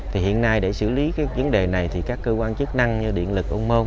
thì hiện nay để xử lý cái vấn đề này thì các cơ quan chức năng như điện lực ôn môn